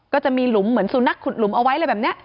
ก็จะมีหลุมเหมือนสุนัขขุดหลุมเอาไว้อะไรแบบนี้